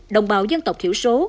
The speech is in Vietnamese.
đồng bào dân tộc thiểu số